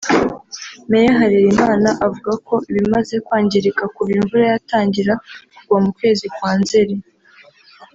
Mayor Harerimana avuga ko ibimaze kwangirika kuva imvura yatangira kugwa mu kwezi kwa Nzeli